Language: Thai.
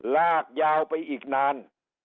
ลากยาวไปอีกนาน